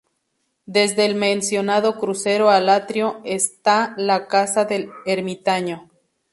Desde el mencionado crucero al atrio, está la casa del ermitaño.